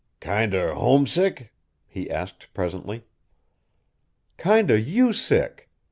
"Kinder homesick?" he asked presently. "Kind of you sick!